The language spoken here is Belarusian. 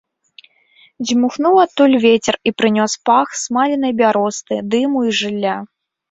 Дзьмухнуў адтуль вецер і прынёс пах смаленай бяросты, дыму і жылля.